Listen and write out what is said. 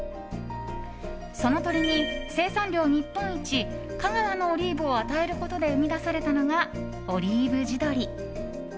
その鶏に生産量日本一、香川のオリーブを与えることで生み出されたのがオリーブ地鶏。